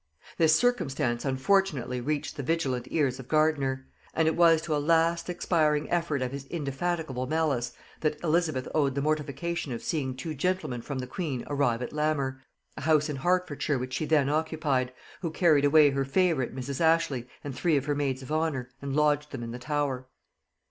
This circumstance unfortunately reached the vigilant ears of Gardiner; and it was to a last expiring effort of his indefatigable malice that Elizabeth owed the mortification of seeing two gentlemen from the queen arrive at Lamer, a house in Hertfordshire which she then occupied, who carried away her favorite Mrs. Ashley and three of her maids of honor, and lodged them in the Tower.